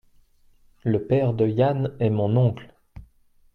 le père de Yann est mon oncle.